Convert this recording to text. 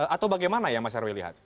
atau bagaimana ya mas arwi lihat